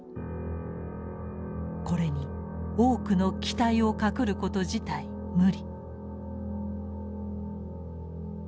これに多くの期待をかくること自体無理」。